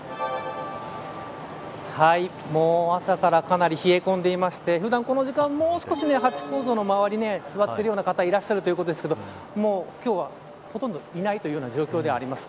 もう朝からかなり冷え込んでいまして普段、この時間もう少しハチ公像の周り座っているような方いらっしゃるということですけど今日は、ほとんどいないような状況であります。